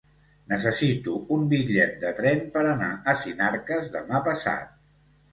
Necessito un bitllet de tren per anar a Sinarques demà passat.